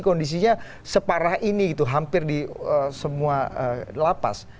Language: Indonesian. kondisinya separah ini gitu hampir di semua lapas